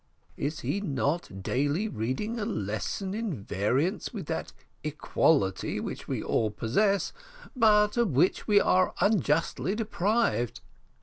Is he not daily reading a lesson at variance with that equality which we all possess, but of which we are unjustly deprived?